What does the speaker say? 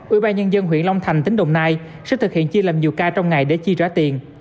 ủy ban nhân dân huyện long thành tỉnh đồng nai sẽ thực hiện chia làm nhiều ca trong ngày để chi trả tiền